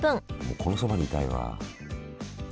このそばにいたいわ。